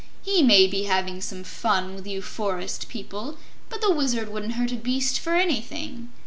He may be having some fun with you forest people, but the Wizard wouldn't hurt a beast for anything."